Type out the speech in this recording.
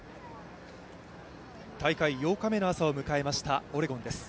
大会８日目の朝を迎えましたオレゴンです。